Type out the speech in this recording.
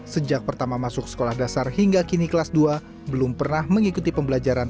sejak pertama masuk sekolah dasar hingga kini kelas dua belum pernah mengikuti pembelajaran